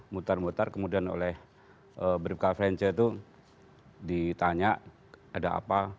mutar mutar kemudian oleh bribka frence itu ditanya ada apa